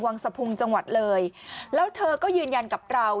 สะพุงจังหวัดเลยแล้วเธอก็ยืนยันกับเรา